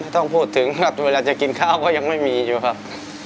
ต้องพูดถึงครับเวลาจะกินข้าวก็ยังไม่มีอยู่ครับ